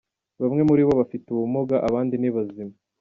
Bamwe muri bo bafite ubumuga, abandi ni bazima.